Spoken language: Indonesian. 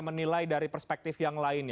menilai dari perspektif yang lainnya